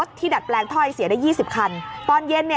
ก็ไม่มีอำนาจ